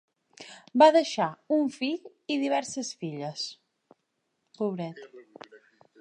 Va deixar un fill i diverses filles.